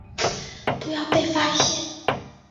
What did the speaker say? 不要被发现